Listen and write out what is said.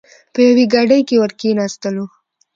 په یوې ګاډۍ کې ور کېناستلو.